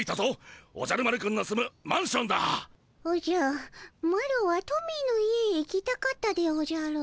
おじゃマロはトミーの家へ行きたかったでおじゃる。